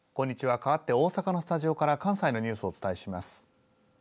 かわって大阪のスタジオから関西のニュースをお伝えします。